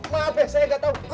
maaf ya saya gak tau